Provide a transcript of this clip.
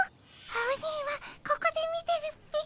アオニイはここで見てるっピ。